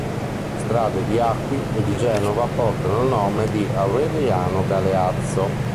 Strade di Acqui e di Genova portano il nome di Aureliano Galeazzo.